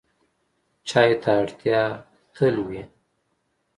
چای ته اړتیا تل وي.